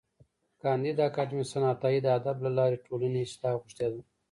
کانديد اکاډميسن عطایي د ادب له لارې د ټولني اصلاح غوښتې ده.